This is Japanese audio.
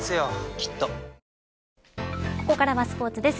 きっとここからスポーツです。